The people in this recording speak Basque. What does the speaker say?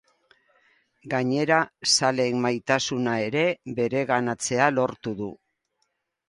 Gainera, zaleen maitasuna ere bereganatzea lortu du.